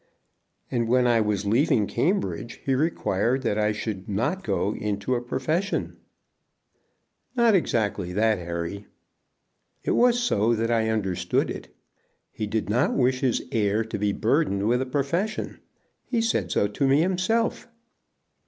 "And when I was leaving Cambridge he required that I should not go into a profession." "Not exactly that, Harry." "It was so that I understood it. He did not wish his heir to be burdened with a profession. He said so to me himself."